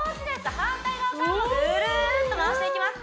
反対側からもぐるっと回していきます